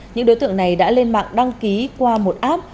những đối tượng này đã lên mạng đăng ký qua một app